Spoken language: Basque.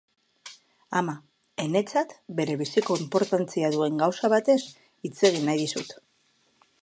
Ama, enetzat berebiziko inportantzia duen gauza batez hitz egin nahi dizut.